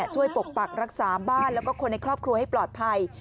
ปกปักรักษาบ้านแล้วก็คนในครอบครัวให้ปลอดภัย